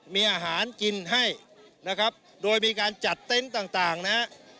มีอาหารกินให้นะครับโดยมีการจัดเต็นต์ต่างนะฮะ